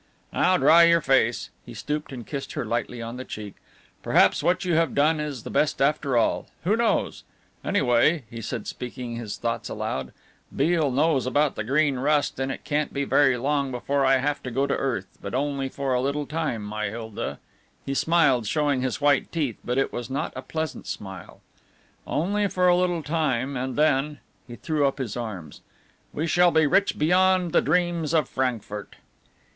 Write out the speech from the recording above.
"Now, dry your face." He stooped and kissed her lightly on the cheek. "Perhaps what you have done is the best after all. Who knows? Anyway," he said, speaking his thoughts aloud, "Beale knows about the Green Rust and it can't be very long before I have to go to earth, but only for a little time, my Hilda." He smiled, showing his white teeth, but it was not a pleasant smile, "only for a little time, and then," he threw up his arms, "we shall be rich beyond the dreams of Frankfurt."